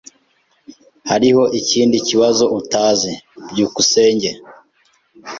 Hariho ikindi kibazo utazi. byukusenge